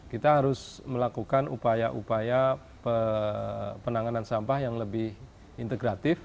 kita harus melakukan upaya upaya penanganan sampah yang lebih integratif